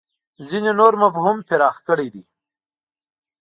ځینې نور مفهوم پراخ کړی دی.